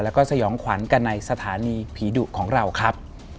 แล้วก็สยองขวัญกันในสถานีผีดุของเราครับ